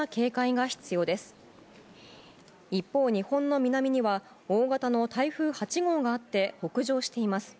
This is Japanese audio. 一方、日本の南には大型の台風８号があって北上しています。